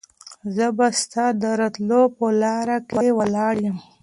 زه به ستا د راتلو په لاره کې ولاړ یم.